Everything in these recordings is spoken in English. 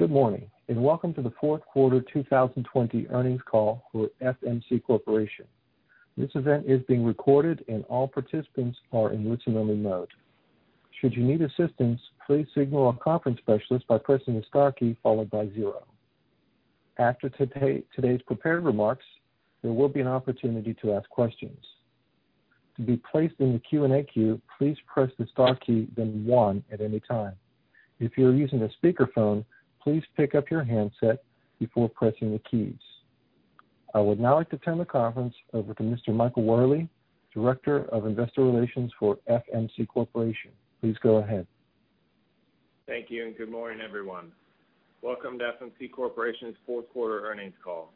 Good morning, and welcome to the fourth quarter 2020 earnings call for FMC Corporation. This event is being recorded and all participants are in listen-only mode. Should you need assistance, please signal a conference specialist by pressing the star key followed by zero. After today's prepared remarks, there will be an opportunity to ask questions. To be placed in the Q&A queue, please press the star key, then one, at any time. If you are using a speakerphone, please pick up your handset before pressing the keys. I would now like to turn the conference over to Mr. Michael Wherley, Director of Investor Relations for FMC Corporation. Please go ahead. Thank you, and good morning, everyone. Welcome to FMC Corporation's fourth quarter earnings call.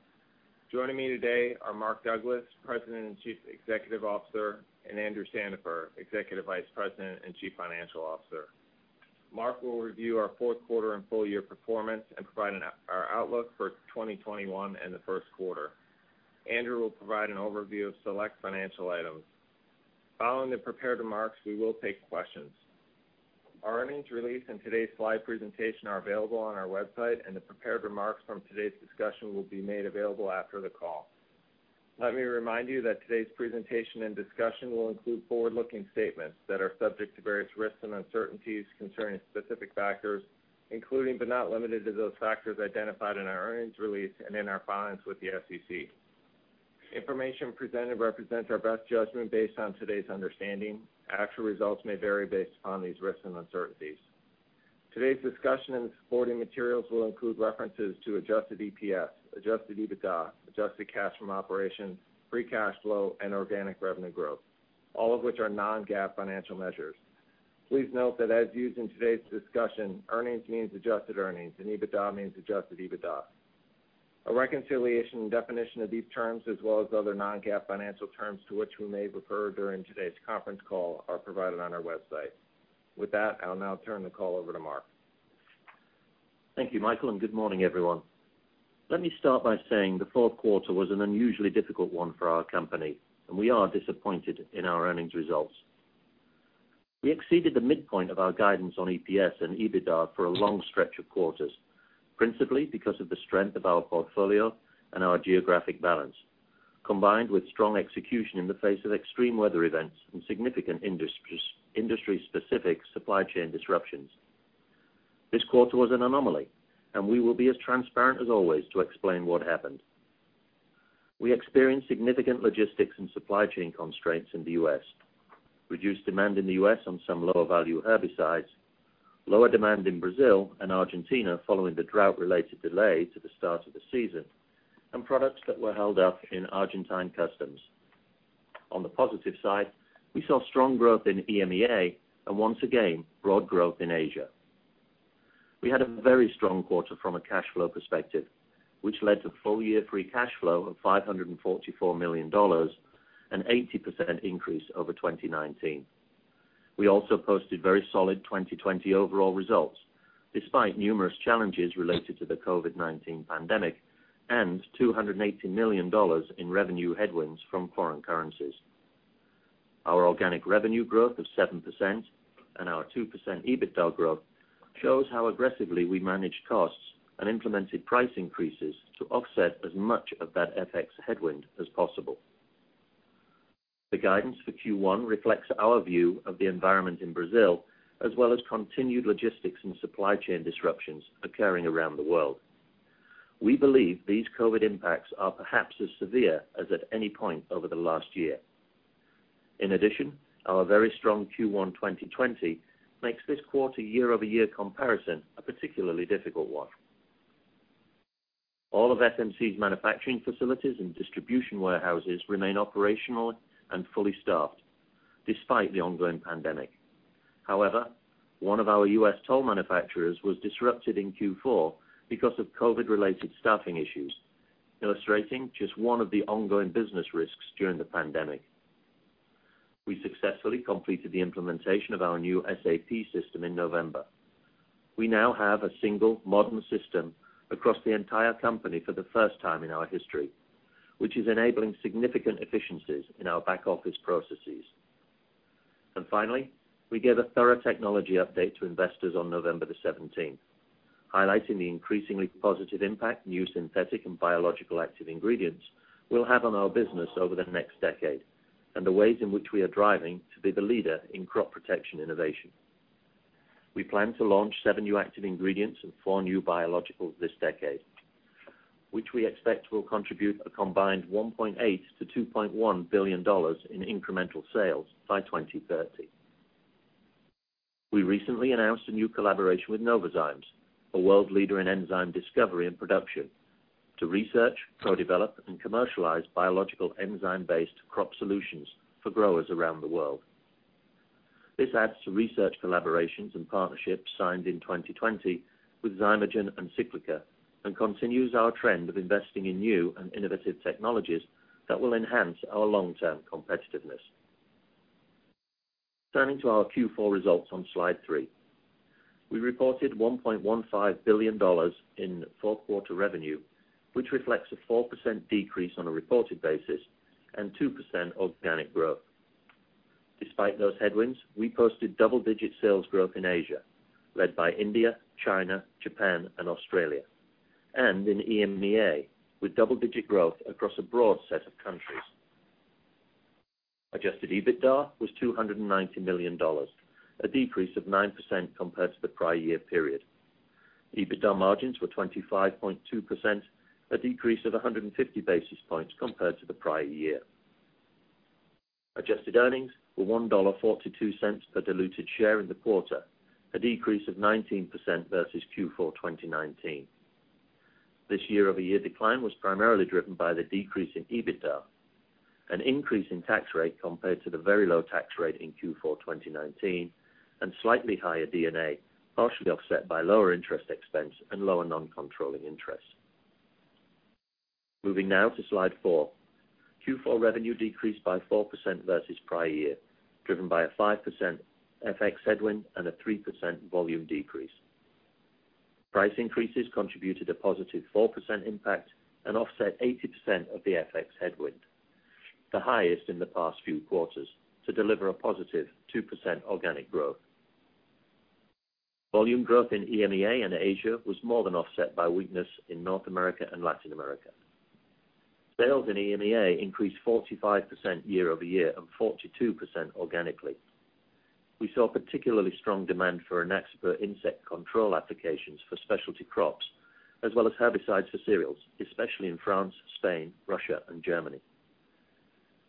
Joining me today are Mark Douglas, President and Chief Executive Officer, and Andrew Sandifer, Executive Vice President and Chief Financial Officer. Mark will review our fourth quarter and full year performance and provide our outlook for 2021 and the first quarter. Andrew will provide an overview of select financial items. Following the prepared remarks, we will take questions. Our earnings release and today's live presentation are available on our website, and the prepared remarks from today's discussion will be made available after the call. Let me remind you that today's presentation and discussion will include forward-looking statements that are subject to various risks and uncertainties concerning specific factors, including, but not limited to those factors identified in our earnings release and in our filings with the SEC. Information presented represents our best judgment based on today's understanding. Actual results may vary based upon these risks and uncertainties. Today's discussion and supporting materials will include references to adjusted EPS, adjusted EBITDA, adjusted cash from operations, free cash flow and organic revenue growth, all of which are non-GAAP financial measures. Please note that as used in today's discussion, earnings means adjusted earnings and EBITDA means adjusted EBITDA. A reconciliation and definition of these terms, as well as other non-GAAP financial terms to which we may refer during today's conference call, are provided on our website. With that, I'll now turn the call over to Mark. Thank you, Michael. Good morning, everyone. Let me start by saying the fourth quarter was an unusually difficult one for our company, and we are disappointed in our earnings results. We exceeded the midpoint of our guidance on EPS and EBITDA for a long stretch of quarters, principally because of the strength of our portfolio and our geographic balance, combined with strong execution in the face of extreme weather events and significant industry-specific supply chain disruptions. This quarter was an anomaly, and we will be as transparent as always to explain what happened. We experienced significant logistics and supply chain constraints in the U.S., reduced demand in the U.S. on some lower-value herbicides, lower demand in Brazil and Argentina following the drought-related delay to the start of the season, and products that were held up in Argentine customs. On the positive side, we saw strong growth in EMEA and once again, broad growth in Asia. We had a very strong quarter from a cash flow perspective, which led to full-year free cash flow of $544 million, an 80% increase over 2019. We also posted very solid 2020 overall results, despite numerous challenges related to the COVID-19 pandemic and $280 million in revenue headwinds from foreign currencies. Our organic revenue growth of 7% and our 2% EBITDA growth shows how aggressively we managed costs and implemented price increases to offset as much of that FX headwind as possible. The guidance for Q1 reflects our view of the environment in Brazil, as well as continued logistics and supply chain disruptions occurring around the world. We believe these COVID impacts are perhaps as severe as at any point over the last year. In addition, our very strong Q1 2020 makes this quarter year-over-year comparison a particularly difficult one. All of FMC's manufacturing facilities and distribution warehouses remain operational and fully staffed despite the ongoing pandemic. However, one of our U.S. toll manufacturers was disrupted in Q4 because of COVID-19-related staffing issues, illustrating just one of the ongoing business risks during the pandemic. We successfully completed the implementation of our new SAP system in November. We now have a single modern system across the entire company for the first time in our history, which is enabling significant efficiencies in our back-office processes. Finally, we gave a thorough technology update to investors on November the 17th, highlighting the increasingly positive impact new synthetic and biological active ingredients will have on our business over the next decade and the ways in which we are driving to be the leader in crop protection innovation. We plan to launch seven new active ingredients and four new biologicals this decade, which we expect will contribute a combined $1.8 billion-$2.1 billion in incremental sales by 2030. We recently announced a new collaboration with Novozymes, a world leader in enzyme discovery and production, to research, co-develop, and commercialize biological enzyme-based crop solutions for growers around the world. This adds to research collaborations and partnerships signed in 2020 with Zymergen and Cyclica, and continues our trend of investing in new and innovative technologies that will enhance our long-term competitiveness. Turning to our Q4 results on slide three. We reported $1.15 billion in fourth quarter revenue, which reflects a 4% decrease on a reported basis and 2% organic growth. Despite those headwinds, we posted double-digit sales growth in Asia, led by India, China, Japan, and Australia, and in EMEA with double-digit growth across a broad set of countries. Adjusted EBITDA was $290 million, a decrease of 9% compared to the prior year period. EBITDA margins were 25.2%, a decrease of 150 basis points compared to the prior year. Adjusted earnings were $1.42 per diluted share in the quarter, a decrease of 19% versus Q4 2019. This year-over-year decline was primarily driven by the decrease in EBITDA, an increase in tax rate compared to the very low tax rate in Q4 2019, and slightly higher D&A, partially offset by lower interest expense and lower non-controlling interests. Moving now to slide four. Q4 revenue decreased by 4% versus prior year, driven by a 5% FX headwind and a 3% volume decrease. Price increases contributed a positive 4% impact and offset 80% of the FX headwind, the highest in the past few quarters, to deliver a positive 2% organic growth. Volume growth in EMEA and Asia was more than offset by weakness in North America and Latin America. Sales in EMEA increased 45% year-over-year and 42% organically. We saw particularly strong demand for Exirel insect control applications for specialty crops, as well as herbicides for cereals, especially in France, Spain, Russia, and Germany.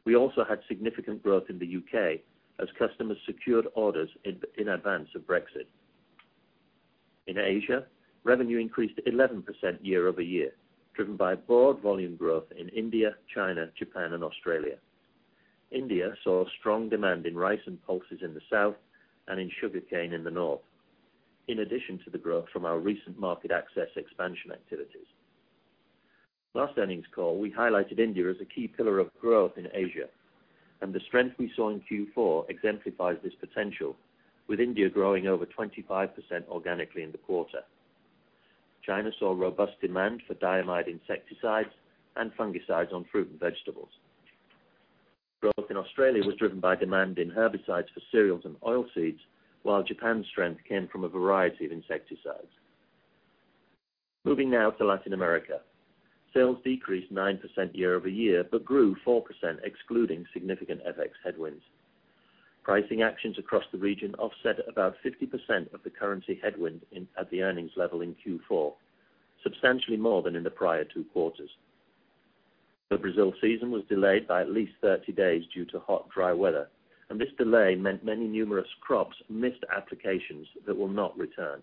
We also had significant growth in the U.K. as customers secured orders in advance of Brexit. In Asia, revenue increased 11% year-over-year, driven by broad volume growth in India, China, Japan, and Australia. India saw strong demand in rice and pulses in the south and in sugarcane in the North, in addition to the growth from our recent market access expansion activities. Last earnings call, we highlighted India as a key pillar of growth in Asia, and the strength we saw in Q4 exemplifies this potential, with India growing over 25% organically in the quarter. China saw robust demand for diamide insecticides and fungicides on fruit and vegetables. Growth in Australia was driven by demand in herbicides for cereals and oilseeds, while Japan's strength came from a variety of insecticides. Moving now to Latin America. Sales decreased 9% year-over-year but grew 4% excluding significant FX headwinds. Pricing actions across the region offset about 50% of the currency headwind at the earnings level in Q4, substantially more than in the prior two quarters. The Brazil season was delayed by at least 30 days due to hot, dry weather, and this delay meant many numerous crops missed applications that will not return.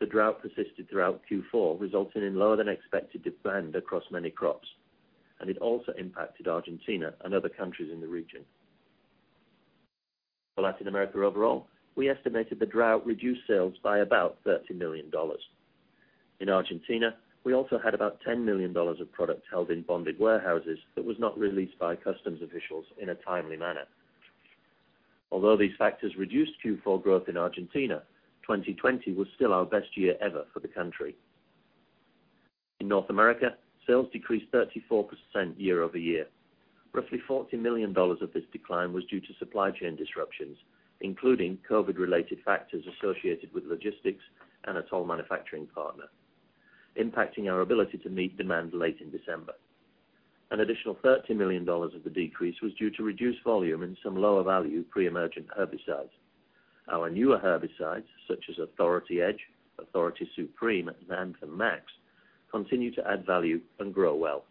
The drought persisted throughout Q4, resulting in lower than expected demand across many crops, and it also impacted Argentina and other countries in the region. For Latin America overall, we estimated the drought reduced sales by about $30 million. In Argentina, we also had about $10 million of product held in bonded warehouses that was not released by customs officials in a timely manner. Although these factors reduced Q4 growth in Argentina, 2020 was still our best year ever for the country. In North America, sales decreased 34% year-over-year. Roughly $40 million of this decline was due to supply chain disruptions, including COVID related factors associated with logistics and a toll manufacturing partner, impacting our ability to meet demand late in December. An additional $30 million of the decrease was due to reduced volume and some lower value pre-emergent herbicides. Our newer herbicides, such as Authority Edge, Authority Supreme, and Anthem MAXX, continue to add value and grow well.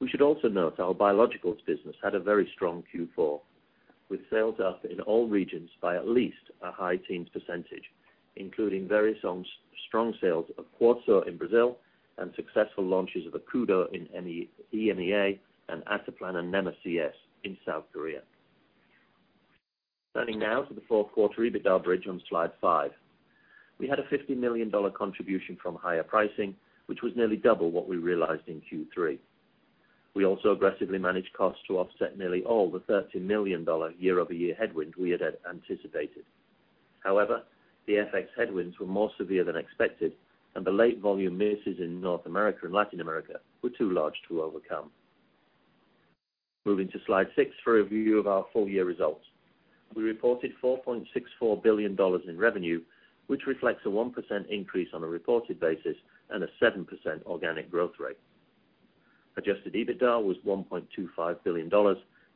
We should also note our biologicals business had a very strong Q4, with sales up in all regions by at least a high teens percentage, including various strong sales of Quartzo in Brazil and successful launches of Accudo in EMEA and Ataplan and Nema CS in South Korea. Turning now to the fourth quarter EBITDA bridge on slide five. We had a $50 million contribution from higher pricing, which was nearly double what we realized in Q3. We also aggressively managed costs to offset nearly all the $30 million year-over-year headwind we had anticipated. However, the FX headwinds were more severe than expected, and the late volume misses in North America and Latin America were too large to overcome. Moving to slide six for a view of our full year results. We reported $4.64 billion in revenue, which reflects a 1% increase on a reported basis and a 7% organic growth rate. Adjusted EBITDA was $1.25 billion,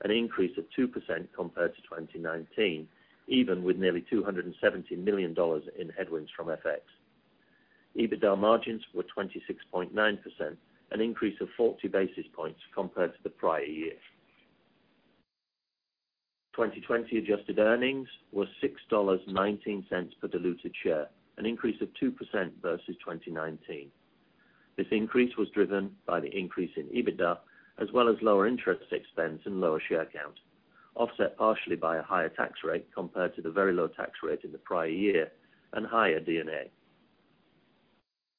an increase of 2% compared to 2019, even with nearly $270 million in headwinds from FX. EBITDA margins were 26.9%, an increase of 40 basis points compared to the prior year. 2020 adjusted earnings were $6.19 per diluted share, an increase of 2% versus 2019. This increase was driven by the increase in EBITDA, as well as lower interest expense and lower share count, offset partially by a higher tax rate compared to the very low tax rate in the prior year, and higher D&A.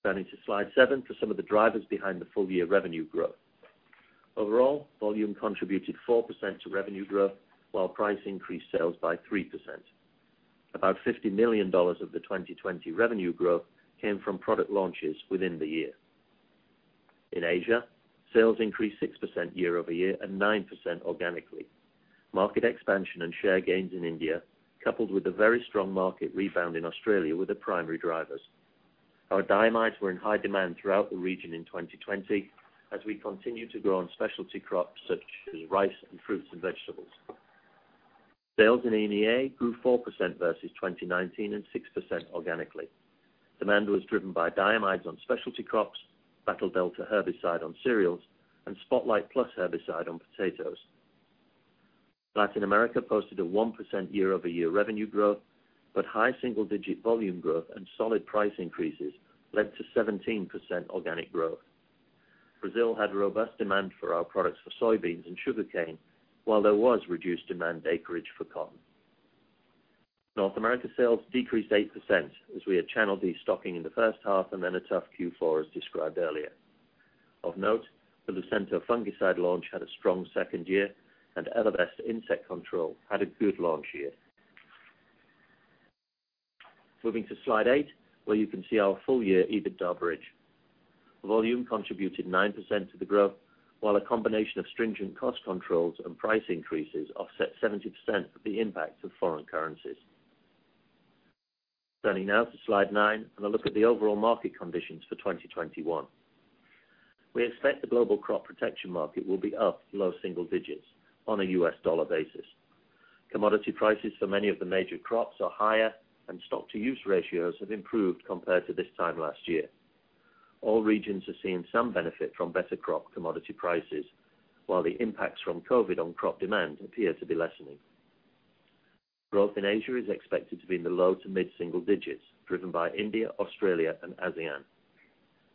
Turning to slide seven for some of the drivers behind the full year revenue growth. Overall, volume contributed 4% to revenue growth while price increased sales by 3%. About $50 million of the 2020 revenue growth came from product launches within the year. In Asia, sales increased 6% year-over-year and 9% organically. Market expansion and share gains in India, coupled with the very strong market rebound in Australia, were the primary drivers. Our diamides were in high demand throughout the region in 2020, as we continue to grow on specialty crops such as rice and fruits and vegetables. Sales in EMEA grew 4% versus 2019 and 6% organically. Demand was driven by diamides on specialty crops, Battle Delta herbicide on cereals, and Spotlight Plus herbicide on potatoes. Latin America posted a 1% year-over-year revenue growth, but high single-digit volume growth and solid price increases led to 17% organic growth. Brazil had robust demand for our products for soybeans and sugarcane, while there was reduced demand acreage for cotton. North America sales decreased 8%, as we had channeled destocking in the first half and then a tough Q4, as described earlier. Of note, the Lucento fungicide launch had a strong second year, and Elevest insect control had a good launch year. Moving to slide eight, where you can see our full year EBITDA bridge. Volume contributed 9% to the growth, while a combination of stringent cost controls and price increases offset 70% of the impact of foreign currencies. Turning now to slide nine and a look at the overall market conditions for 2021. We expect the global crop protection market will be up low single digits on a U.S. dollar basis. Commodity prices for many of the major crops are higher, and stock-to-use ratios have improved compared to this time last year. All regions are seeing some benefit from better crop commodity prices, while the impacts from COVID-19 on crop demand appear to be lessening. Growth in Asia is expected to be in the low to mid-single digits, driven by India, Australia, and ASEAN.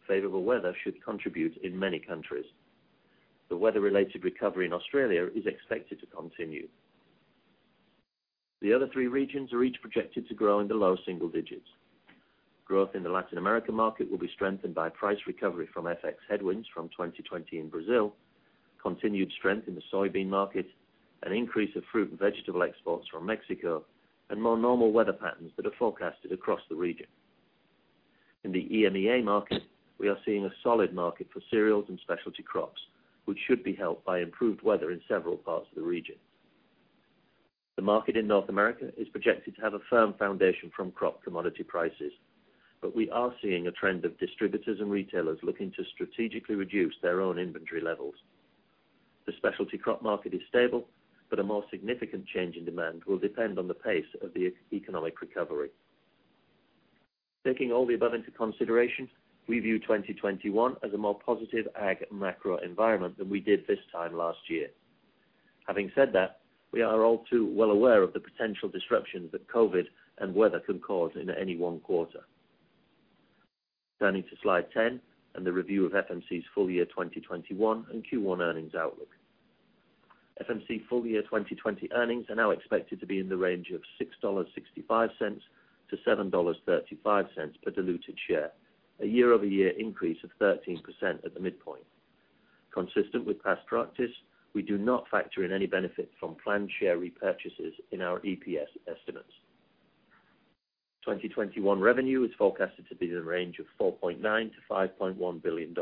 Favorable weather should contribute in many countries. The weather-related recovery in Australia is expected to continue. The other three regions are each projected to grow in the low single digits. Growth in the Latin America market will be strengthened by price recovery from FX headwinds from 2020 in Brazil, continued strength in the soybean market, an increase of fruit and vegetable exports from Mexico, and more normal weather patterns that are forecasted across the region. In the EMEA market, we are seeing a solid market for cereals and specialty crops, which should be helped by improved weather in several parts of the region. The market in North America is projected to have a firm foundation from crop commodity prices, but we are seeing a trend of distributors and retailers looking to strategically reduce their own inventory levels. The specialty crop market is stable, but a more significant change in demand will depend on the pace of the economic recovery. Taking all the above into consideration, we view 2021 as a more positive ag macro environment than we did this time last year. Having said that, we are all too well aware of the potential disruptions that COVID and weather can cause in any one quarter. Turning to slide 10 and the review of FMC's full year 2021 and Q1 earnings outlook. FMC full year 2020 earnings are now expected to be in the range of $6.65 to $7.35 per diluted share, a year-over-year increase of 13% at the midpoint. Consistent with past practice, we do not factor in any benefit from planned share repurchases in our EPS estimates. 2021 revenue is forecasted to be in the range of $4.9 billion-$5.1 billion,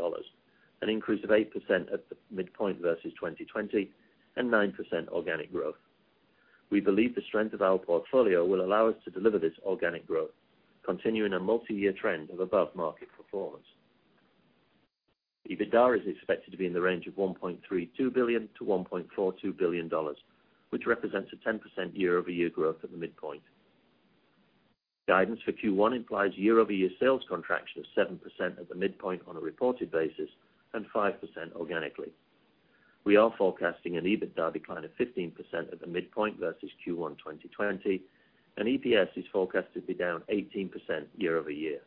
an increase of 8% at the midpoint versus 2020 and 9% organic growth. We believe the strength of our portfolio will allow us to deliver this organic growth, continuing a multi-year trend of above-market performance. EBITDA is expected to be in the range of $1.32 billion-$1.42 billion, which represents a 10% year-over-year growth at the midpoint. Guidance for Q1 implies year-over-year sales contraction of 7% at the midpoint on a reported basis and 5% organically. We are forecasting an EBITDA decline of 15% at the midpoint versus Q1 2020, and EPS is forecasted to be down 18% year-over-year.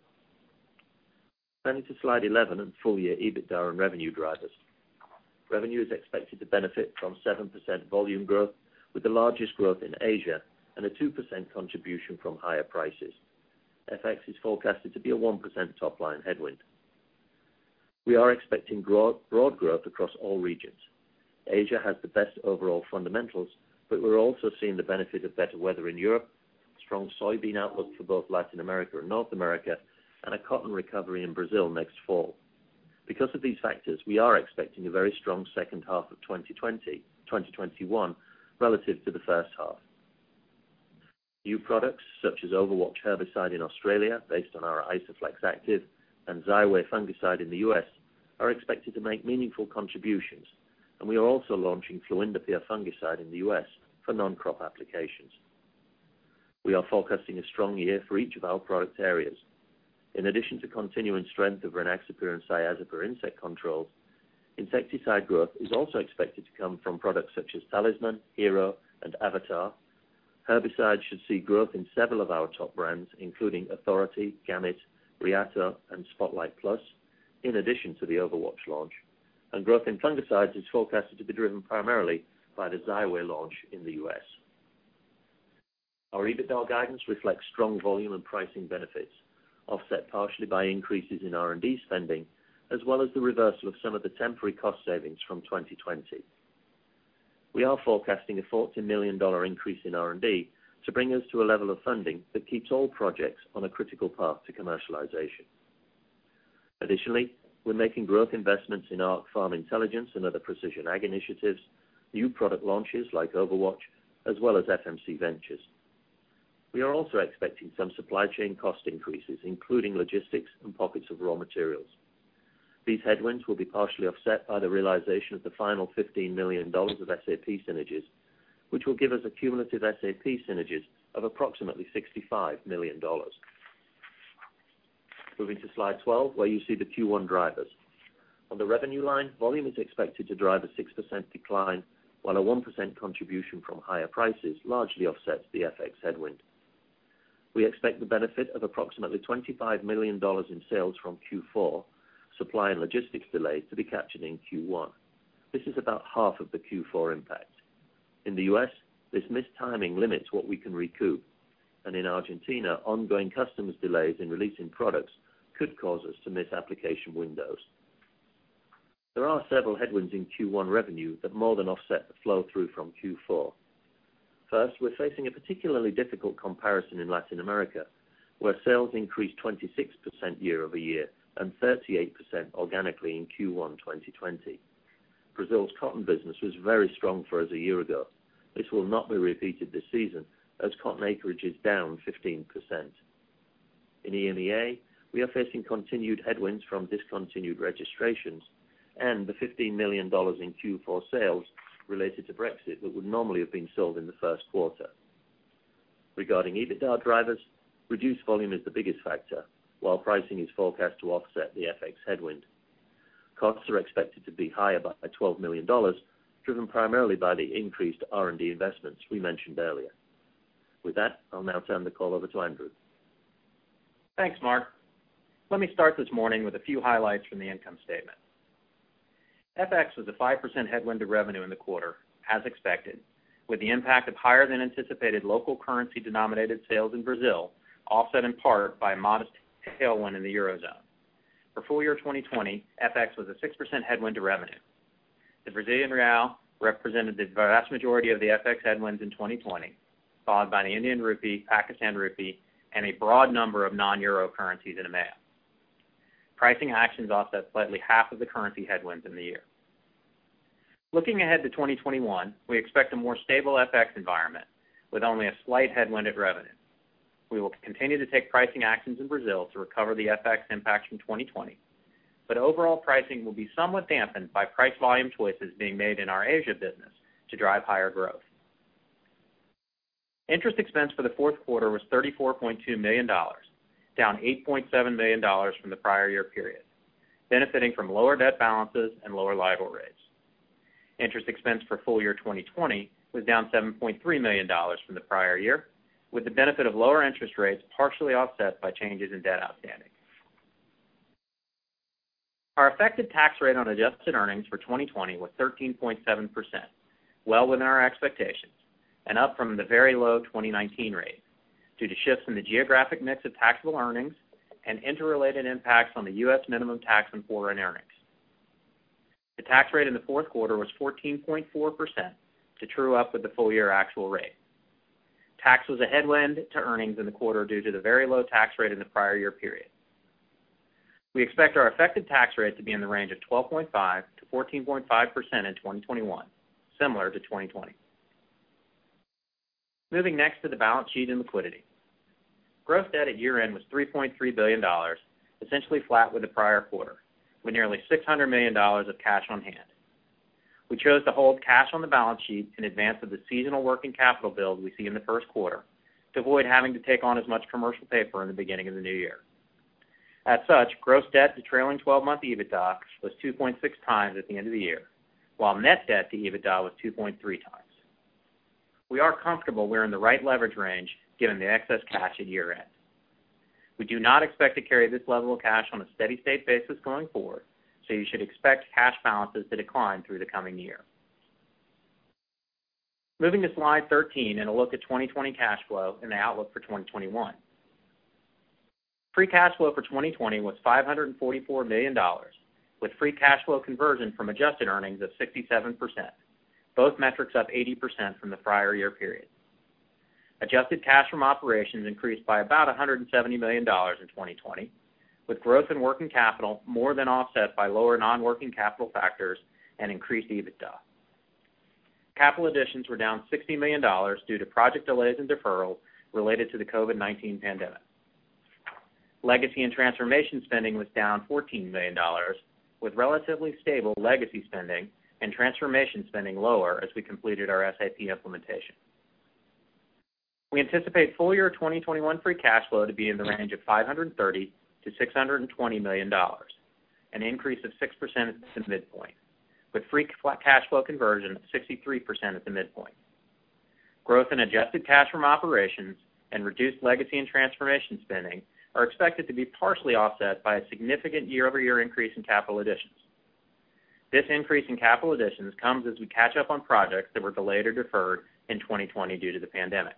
Turning to slide 11 and full year EBITDA and revenue drivers. Revenue is expected to benefit from 7% volume growth, with the largest growth in Asia and a 2% contribution from higher prices. FX is forecasted to be a 1% top-line headwind. We are expecting broad growth across all regions. Asia has the best overall fundamentals, but we're also seeing the benefit of better weather in Europe, strong soybean outlook for both Latin America and North America, and a cotton recovery in Brazil next fall. Because of these factors, we are expecting a very strong second half of 2021 relative to the first half. New products such as Overwatch herbicide in Australia, based on our Isoflex active, and Xyway fungicide in the US, are expected to make meaningful contributions, and we are also launching fluindapyr fungicide in the US for non-crop applications. We are forecasting a strong year for each of our product areas. In addition to continuing strength of Rynaxypyr and Cyazypyr insect controls, insecticide growth is also expected to come from products such as Talisman, Hero, and Avatar. Herbicides should see growth in several of our top brands, including Authority, Gamit, Riyata, and Spotlight Plus, in addition to the Overwatch launch. Growth in fungicides is forecasted to be driven primarily by the Xyway launch in the U.S. Our EBITDA guidance reflects strong volume and pricing benefits, offset partially by increases in R&D spending, as well as the reversal of some of the temporary cost savings from 2020. We are forecasting a $14 million increase in R&D to bring us to a level of funding that keeps all projects on a critical path to commercialization. Additionally, we're making growth investments in Arc Farm Intelligence and other precision ag initiatives, new product launches like Overwatch, as well as FMC Ventures. We are also expecting some supply chain cost increases, including logistics and pockets of raw materials. These headwinds will be partially offset by the realization of the final $15 million of SAP synergies, which will give us a cumulative SAP synergies of approximately $65 million. Moving to slide 12, where you see the Q1 drivers. On the revenue line, volume is expected to drive a 6% decline, while a 1% contribution from higher prices largely offsets the FX headwind. We expect the benefit of approximately $25 million in sales from Q4, supply and logistics delays to be captured in Q1. This is about half of the Q4 impact. In the U.S., this mistiming limits what we can recoup, and in Argentina, ongoing customs delays in releasing products could cause us to miss application windows. There are several headwinds in Q1 revenue that more than offset the flow-through from Q4. First, we're facing a particularly difficult comparison in Latin America, where sales increased 26% year-over-year and 38% organically in Q1 2020. Brazil's cotton business was very strong for us a year ago. This will not be repeated this season, as cotton acreage is down 15%. In EMEA, we are facing continued headwinds from discontinued registrations and the $15 million in Q4 sales related to Brexit that would normally have been sold in the first quarter. Regarding EBITDA drivers, reduced volume is the biggest factor, while pricing is forecast to offset the FX headwind. Costs are expected to be higher by $12 million, driven primarily by the increased R&D investments we mentioned earlier. With that, I'll now turn the call over to Andrew. Thanks, Mark. Let me start this morning with a few highlights from the income statement. FX was a 5% headwind to revenue in the quarter, as expected, with the impact of higher than anticipated local currency denominated sales in Brazil, offset in part by a modest tailwind in the Eurozone. For full year 2020, FX was a 6% headwind to revenue. The Brazilian real represented the vast majority of the FX headwinds in 2020, followed by the Indian rupee, Pakistan rupee, and a broad number of non-euro currencies in EMEA. Pricing actions offset slightly half of the currency headwinds in the year. Looking ahead to 2021, we expect a more stable FX environment with only a slight headwind at revenue. We will continue to take pricing actions in Brazil to recover the FX impact from 2020. Overall pricing will be somewhat dampened by price-volume choices being made in our Asia business to drive higher growth. Interest expense for the fourth quarter was $34.2 million, down $8.7 million from the prior year period, benefiting from lower debt balances and lower LIBOR rates. Interest expense for full year 2020 was down $7.3 million from the prior year, with the benefit of lower interest rates partially offset by changes in debt outstanding. Our effective tax rate on adjusted earnings for 2020 was 13.7%, well within our expectations and up from the very low 2019 rate due to shifts in the geographic mix of taxable earnings and interrelated impacts on the U.S. minimum tax and foreign earnings. The tax rate in the fourth quarter was 14.4% to true up with the full year actual rate. Tax was a headwind to earnings in the quarter due to the very low tax rate in the prior year period. We expect our effective tax rate to be in the range of 12.5%-14.5% in 2021, similar to 2020. Moving next to the balance sheet and liquidity. Gross debt at year-end was $3.3 billion, essentially flat with the prior quarter, with nearly $600 million of cash on hand. We chose to hold cash on the balance sheet in advance of the seasonal working capital build we see in the first quarter to avoid having to take on as much commercial paper in the beginning of the new year. As such, gross debt to trailing 12-month EBITDA was 2.6x at the end of the year, while net debt to EBITDA was 2.3x. We are comfortable we're in the right leverage range given the excess cash at year-end. We do not expect to carry this level of cash on a steady-state basis going forward, so you should expect cash balances to decline through the coming year. Moving to slide 13 and a look at 2020 cash flow and the outlook for 2021. Free cash flow for 2020 was $544 million, with free cash flow conversion from adjusted earnings of 67%, both metrics up 80% from the prior year period. Adjusted cash from operations increased by about $170 million in 2020, with growth in working capital more than offset by lower non-working capital factors and increased EBITDA. Capital additions were down $60 million due to project delays and deferrals related to the COVID-19 pandemic. Legacy and transformation spending was down $14 million, with relatively stable legacy spending and transformation spending lower as we completed our SAP implementation. We anticipate full year 2021 free cash flow to be in the range of $530 million-$620 million, an increase of 6% at the midpoint, with free cash flow conversion of 63% at the midpoint. Growth in adjusted cash from operations and reduced legacy and transformation spending are expected to be partially offset by a significant year-over-year increase in capital additions. This increase in capital additions comes as we catch up on projects that were delayed or deferred in 2020 due to the pandemic.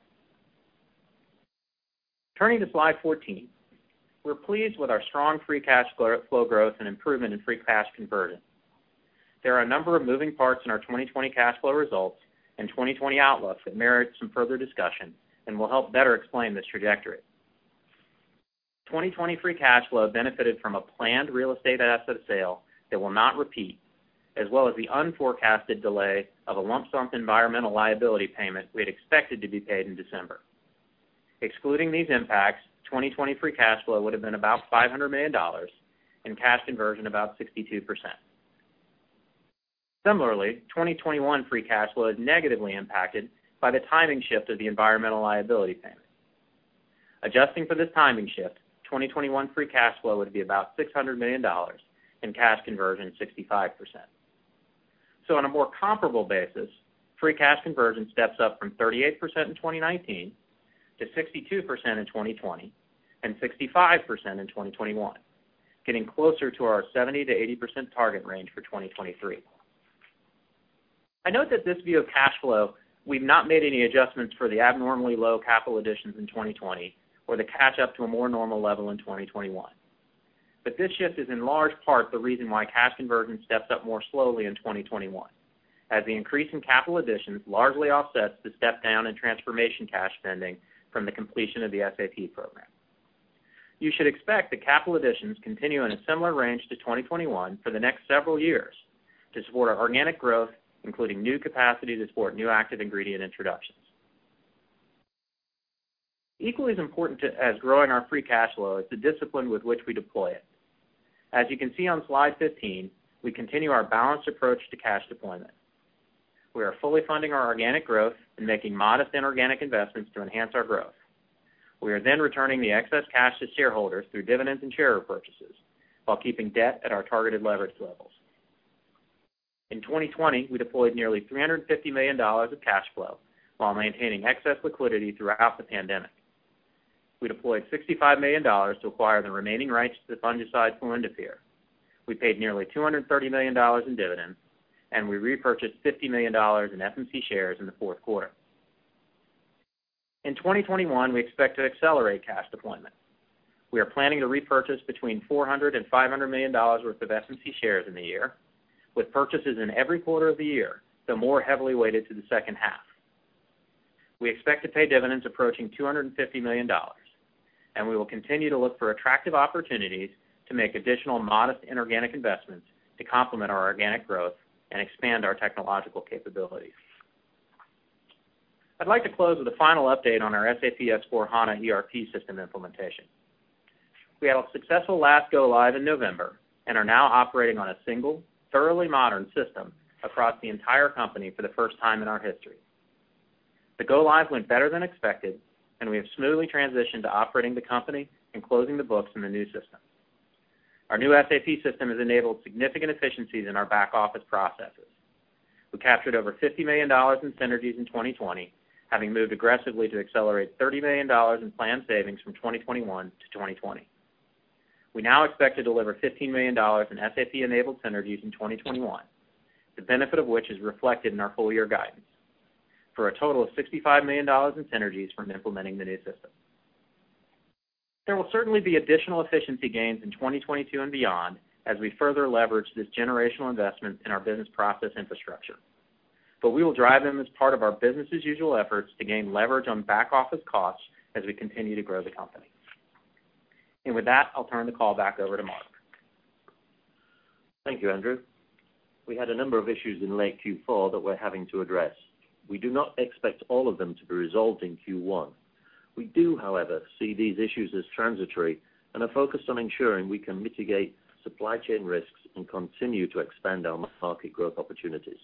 Turning to slide 14. We're pleased with our strong free cash flow growth and improvement in free cash conversion. There are a number of moving parts in our 2020 cash flow results and 2020 outlook that merit some further discussion and will help better explain this trajectory. 2020 free cash flow benefited from a planned real estate asset sale that will not repeat, as well as the unforecasted delay of a lump sum environmental liability payment we had expected to be paid in December. Excluding these impacts, 2020 free cash flow would've been about $500 million, and cash conversion about 62%. Similarly, 2021 free cash flow is negatively impacted by the timing shift of the environmental liability payment. Adjusting for this timing shift, 2021 free cash flow would be about $600 million, and cash conversion 65%. On a more comparable basis, free cash conversion steps up from 38% in 2019 to 62% in 2020 and 65% in 2021, getting closer to our 70%-80% target range for 2023. I note that this view of cash flow, we've not made any adjustments for the abnormally low capital additions in 2020 or the catch up to a more normal level in 2021. This shift is in large part the reason why cash conversion steps up more slowly in 2021, as the increase in capital additions largely offsets the step down in transformation cash spending from the completion of the SAP program. You should expect that capital additions continue in a similar range to 2021 for the next several years to support our organic growth, including new capacity to support new active ingredient introductions. Equally as important as growing our free cash flow is the discipline with which we deploy it. As you can see on slide 15, we continue our balanced approach to cash deployment. We are fully funding our organic growth and making modest inorganic investments to enhance our growth. We are then returning the excess cash to shareholders through dividends and share repurchases while keeping debt at our targeted leverage levels. In 2020, we deployed nearly $350 million of cash flow while maintaining excess liquidity throughout the pandemic. We deployed $65 million to acquire the remaining rights to the fungicide fluindapyr. We paid nearly $230 million in dividends, and we repurchased $50 million in FMC shares in the fourth quarter. In 2021, we expect to accelerate cash deployment. We are planning to repurchase between $400 million-$500 million worth of FMC shares in the year, with purchases in every quarter of the year, though more heavily weighted to the second half. We expect to pay dividends approaching $250 million. We will continue to look for attractive opportunities to make additional modest inorganic investments to complement our organic growth and expand our technological capabilities. I'd like to close with a final update on our SAP S/4HANA ERP system implementation. We had a successful last go-live in November and are now operating on a single, thoroughly modern system across the entire company for the first time in our history. The go-live went better than expected, and we have smoothly transitioned to operating the company and closing the books in the new system. Our new SAP system has enabled significant efficiencies in our back office processes. We captured over $50 million in synergies in 2020, having moved aggressively to accelerate $30 million in planned savings from 2021 to 2020. We now expect to deliver $15 million in SAP-enabled synergies in 2021, the benefit of which is reflected in our full year guidance, for a total of $65 million in synergies from implementing the new system. There will certainly be additional efficiency gains in 2022 and beyond as we further leverage this generational investment in our business process infrastructure. We will drive them as part of our business as usual efforts to gain leverage on back office costs as we continue to grow the company. With that, I'll turn the call back over to Mark. Thank you, Andrew. We had a number of issues in late Q4 that we're having to address. We do not expect all of them to be resolved in Q1. We do, however, see these issues as transitory and are focused on ensuring we can mitigate supply chain risks and continue to expand our market growth opportunities.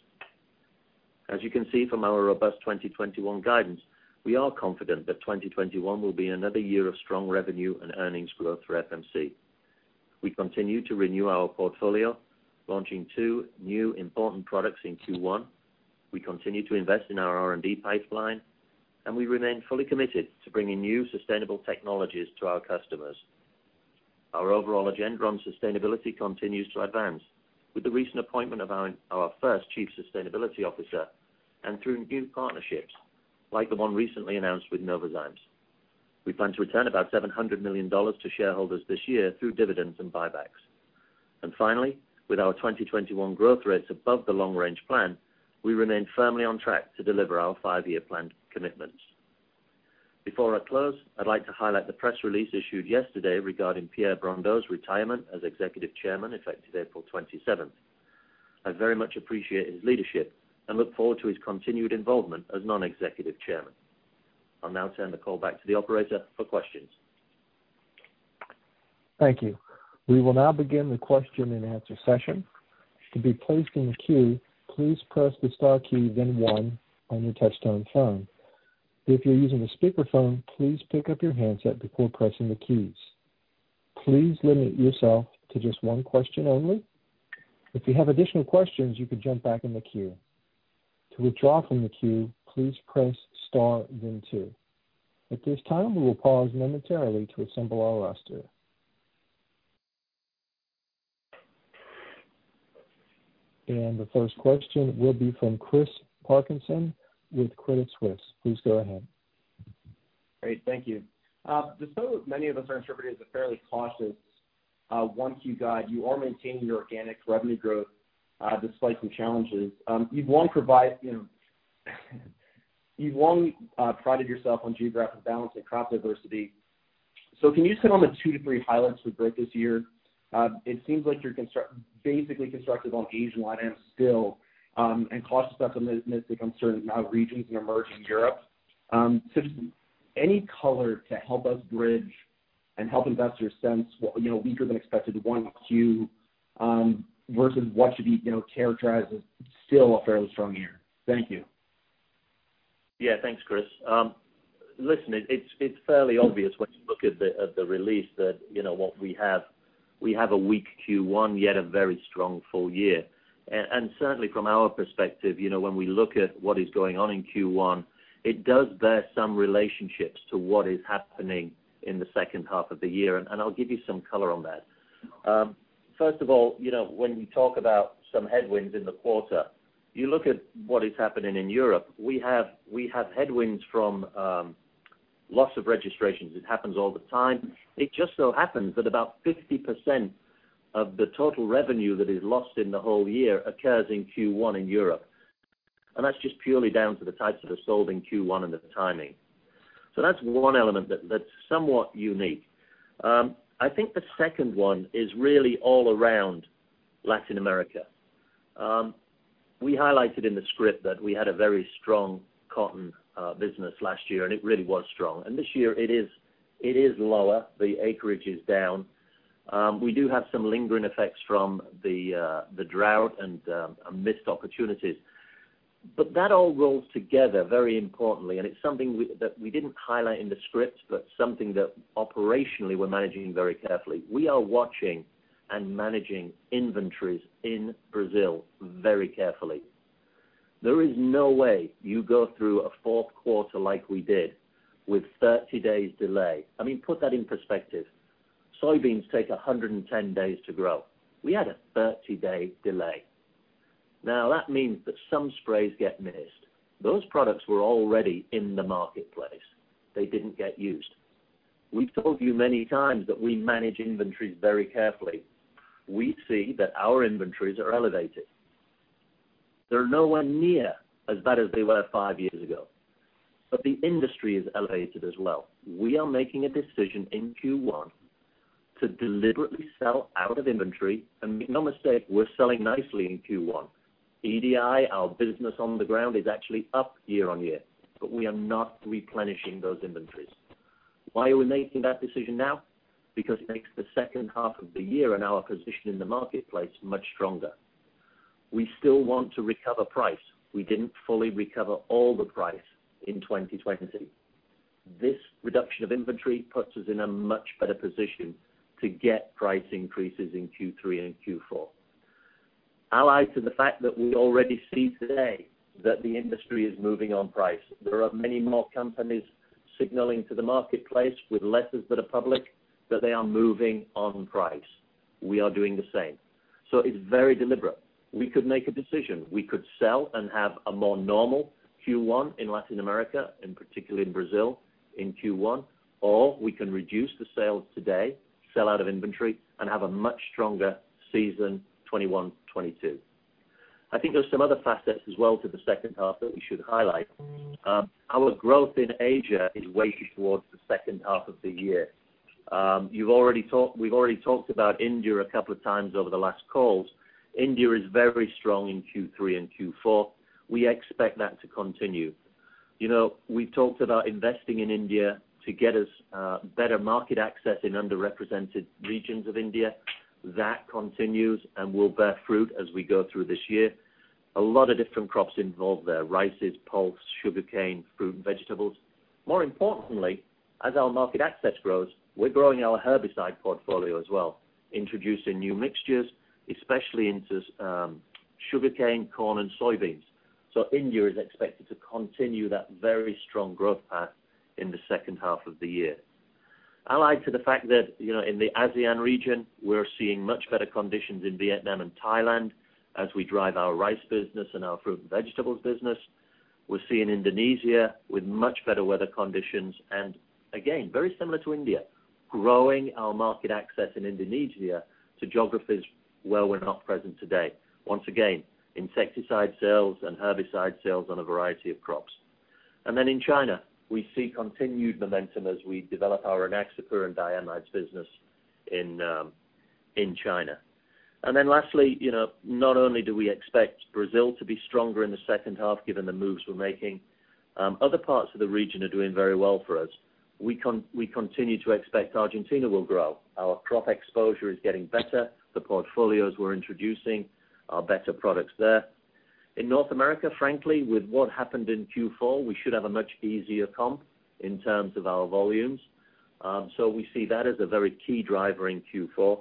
As you can see from our robust 2021 guidance, we are confident that 2021 will be another year of strong revenue and earnings growth for FMC. We continue to renew our portfolio, launching two new important products in Q1. We continue to invest in our R&D pipeline, and we remain fully committed to bringing new sustainable technologies to our customers. Our overall agenda on sustainability continues to advance with the recent appointment of our first Chief Sustainability Officer and through new partnerships like the one recently announced with Novozymes. We plan to return about $700 million to shareholders this year through dividends and buybacks. Finally, with our 2021 growth rates above the long-range plan, we remain firmly on track to deliver our five-year plan commitments. Before I close, I'd like to highlight the press release issued yesterday regarding Pierre Brondeau's retirement as Executive Chairman, effective April 27th. I very much appreciate his leadership and look forward to his continued involvement as non-executive chairman. I'll now turn the call back to the operator for questions. Thank you. We will now begin the question and answer session. To be placed in the queue, please press the star key, then one on your touchtone phone. If you're using a speakerphone, please pick up your handset before pressing the keys. Please limit yourself to just one question only. If you have additional questions, you can jump back in the queue. To withdraw from the queue, please press star, then two. At this time, we will pause momentarily to assemble our roster. The first question will be from Chris Parkinson with Credit Suisse. Please go ahead. Great. Thank you. Despite what many of us are interpreting as a fairly cautious 1Q guide, you are maintaining your organic revenue growth, despite some challenges. You've long prided yourself on geographic balance and crop diversity. Can you comment on the two to three highlights you broke this year? It seems like you're basically constructed on Asian lineup still, and cautious about some of the concerns in other regions and emerging Europe. Just any color to help us bridge and help investors sense weaker than expected 1Q, versus what should be characterized as still a fairly strong year. Thank you. Yeah. Thanks, Chris. Listen, it's fairly obvious once you look at the release that what we have, we have a weak Q1, yet a very strong full year. Certainly, from our perspective, when we look at what is going on in Q1, it does bear some relationships to what is happening in the second half of the year, and I'll give you some color on that. First of all, when we talk about some headwinds in the quarter, you look at what is happening in Europe. We have headwinds from loss of registrations. It happens all the time. It just so happens that about 50% of the total revenue that is lost in the whole year occurs in Q1 in Europe. That's just purely down to the types that are sold in Q1 and the timing. That's one element that's somewhat unique. I think the second one is really all around Latin America. We highlighted in the script that we had a very strong cotton business last year. It really was strong. This year it is lower. The acreage is down. We do have some lingering effects from the drought and missed opportunities. That all rolls together very importantly, and it's something that we didn't highlight in the script, but something that operationally we're managing very carefully. We are watching and managing inventories in Brazil very carefully. There is no way you go through a fourth quarter like we did with 30 days delay. Put that in perspective. Soybeans take 110 days to grow. We had a 30-day delay. Now, that means that some sprays get missed. Those products were already in the marketplace. They didn't get used. We've told you many times that we manage inventories very carefully. We see that our inventories are elevated. They're nowhere near as bad as they were five years ago. The industry is elevated as well. We are making a decision in Q1 to deliberately sell out of inventory, and make no mistake, we're selling nicely in Q1. EDI, our business on the ground, is actually up year-on-year, but we are not replenishing those inventories. Why are we making that decision now? It makes the second half of the year and our position in the marketplace much stronger. We still want to recover price. We didn't fully recover all the price in 2020. This reduction of inventory puts us in a much better position to get price increases in Q3 and Q4. Allied to the fact that we already see today that the industry is moving on price. There are many more companies signaling to the marketplace with letters that are public, that they are moving on price. We are doing the same. It's very deliberate. We could make a decision. We could sell and have a more normal Q1 in Latin America, and particularly in Brazil in Q1, or we can reduce the sales today, sell out of inventory, and have a much stronger season 2021, 2022. I think there's some other facets as well to the second half that we should highlight. Our growth in Asia is weighted towards the second half of the year. We've already talked about India a couple of times over the last calls. India is very strong in Q3 and Q4. We expect that to continue. We've talked about investing in India to get us better market access in underrepresented regions of India. That continues and will bear fruit as we go through this year. A lot of different crops involved there. Rices, pulse, sugarcane, fruit and vegetables. More importantly, as our market access grows, we're growing our herbicide portfolio as well, introducing new mixtures, especially into sugarcane, corn, and soybeans. India is expected to continue that very strong growth path in the second half of the year. Allied to the fact that, in the ASEAN region, we're seeing much better conditions in Vietnam and Thailand as we drive our rice business and our fruit and vegetables business. We're seeing Indonesia with much better weather conditions and, again, very similar to India, growing our market access in Indonesia to geographies where we're not present today. Once again, insecticide sales and herbicide sales on a variety of crops. In China, we see continued momentum as we develop our Rynaxypyr diamide business in China. Lastly, not only do we expect Brazil to be stronger in the second half given the moves we're making, other parts of the region are doing very well for us. We continue to expect Argentina will grow. Our crop exposure is getting better. The portfolios we're introducing are better products there. In North America, frankly, with what happened in Q4, we should have a much easier comp in terms of our volumes. We see that as a very key driver in Q4.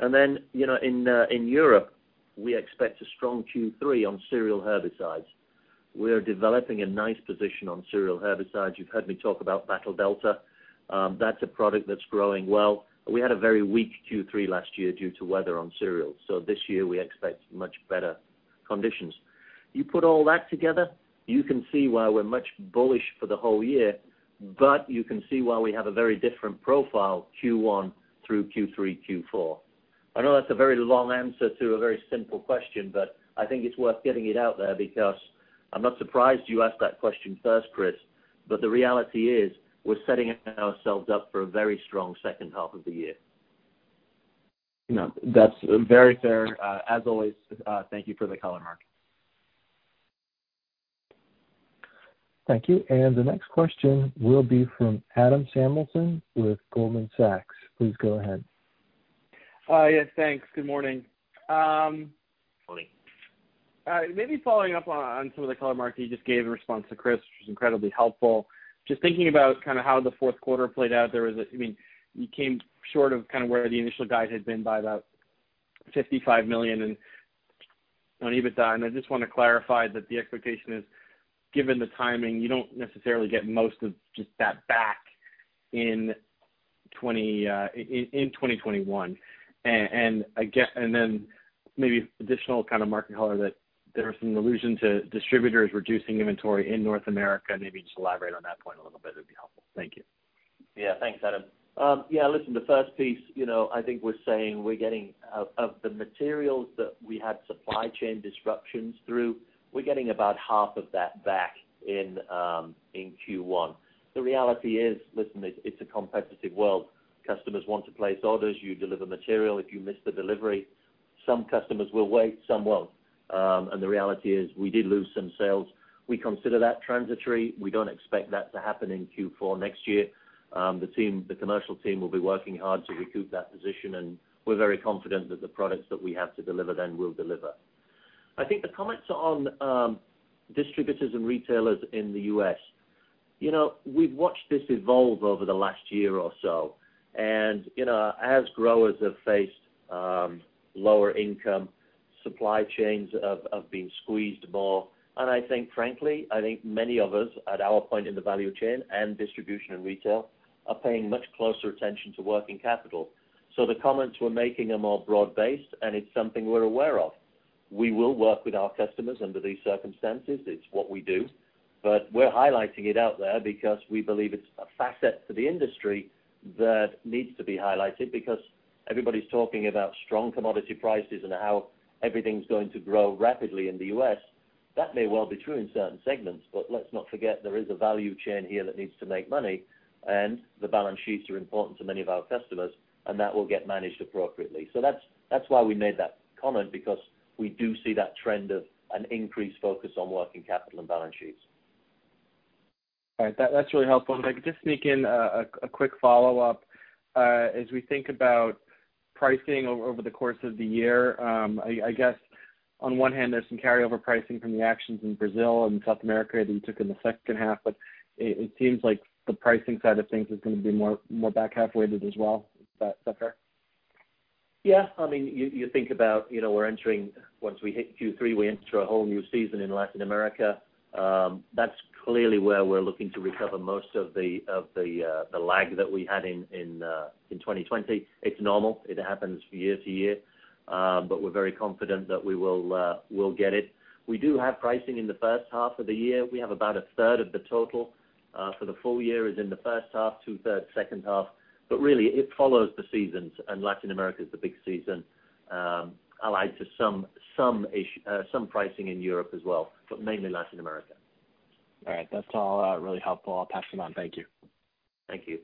In Europe, we expect a strong Q3 on cereal herbicides. We are developing a nice position on cereal herbicides. You've heard me talk about Battle Delta. That's a product that's growing well. We had a very weak Q3 last year due to weather on cereals. This year we expect much better conditions. You put all that together, you can see why we're much bullish for the whole year, but you can see why we have a very different profile Q1 through Q3, Q4. I know that's a very long answer to a very simple question, but I think it's worth getting it out there because I'm not surprised you asked that question first, Chris, but the reality is we're setting ourselves up for a very strong second half of the year. No, that's very fair. As always, thank you for the color, Mark. Thank you. The next question will be from Adam Samuelson with Goldman Sachs. Please go ahead. Yes, thanks. Good morning. Morning. Maybe following up on some of the color, Mark, that you just gave in response to Chris, which was incredibly helpful. Just thinking about how the fourth quarter played out, you came short of where the initial guide had been by about $55 million on EBITDA. I just want to clarify that the expectation is, given the timing, you don't necessarily get most of just that back in 2021. Maybe additional kind of market color that there was some allusion to distributors reducing inventory in North America. Maybe just elaborate on that point a little bit, it'd be helpful. Thank you. Yeah. Thanks, Adam. Yeah, listen, the first piece, I think we're saying of the materials that we had supply chain disruptions through, we're getting about half of that back in Q1. The reality is, listen, it's a competitive world. Customers want to place orders, you deliver material. If you miss the delivery, some customers will wait, some won't. The reality is, we did lose some sales. We consider that transitory. We don't expect that to happen in Q4 next year. The commercial team will be working hard to recoup that position, and we're very confident that the products that we have to deliver then will deliver. I think the comments on distributors and retailers in the U.S., we've watched this evolve over the last year or so. As growers have faced lower income, supply chains have been squeezed more. I think frankly, I think many of us at our point in the value chain and distribution and retail are paying much closer attention to working capital. The comments we're making are more broad based, and it's something we're aware of. We will work with our customers under these circumstances. It's what we do. We're highlighting it out there because we believe it's a facet to the industry that needs to be highlighted because everybody's talking about strong commodity prices and how everything's going to grow rapidly in the U.S. That may well be true in certain segments, but let's not forget there is a value chain here that needs to make money, and the balance sheets are important to many of our customers, and that will get managed appropriately. That's why we made that comment because we do see that trend of an increased focus on working capital and balance sheets. All right. That's really helpful. If I could just sneak in a quick follow-up. As we think about pricing over the course of the year, I guess on one hand, there's some carryover pricing from the actions in Brazil and South America that you took in the second half, but it seems like the pricing side of things is going to be more back half weighted as well. Is that fair? You think about once we hit Q3, we enter a whole new season in Latin America. That's clearly where we're looking to recover most of the lag that we had in 2020. It's normal. It happens year-to-year. We're very confident that we'll get it. We do have pricing in the first half of the year. We have about a third of the total for the full year is in the first half, two thirds second half. Really, it follows the seasons, and Latin America is the big season, allied to some pricing in Europe as well, but mainly Latin America. All right. That's all really helpful. I'll pass it on. Thank you. Thank you.